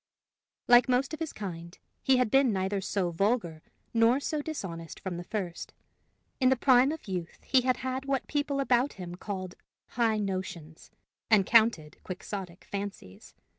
Like most of his kind, he had been neither so vulgar nor so dishonest from the first. In the prime of youth he had had what the people about him called high notions, and counted quixotic fancies.